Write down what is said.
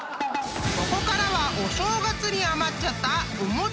［ここからはお正月に余っちゃったお餅の活用